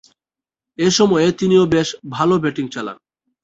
এ সময়ে তিনিও বেশ ভালো ব্যাটিং চালান।